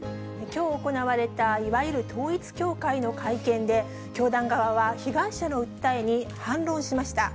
きょう行われた、いわゆる統一教会の会見で、教団側は被害者の訴えに反論しました。